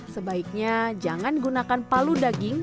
sebaiknya jangan gunakan palu daging